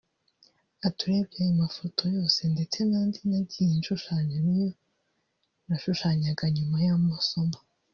Ati “ Urebye aya mafoto yose ndetse n’andi nagiye nshushanya ni ayo nashushanyaga nyuma y’amasomo